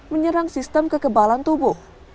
menyerang sistem kekebalan tubuh